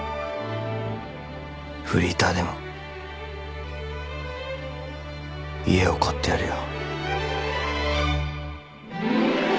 フリーターでも家を買ってやるよ。